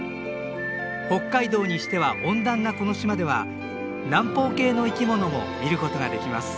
北海道にしては温暖なこの島では南方系の生き物も見ることができます。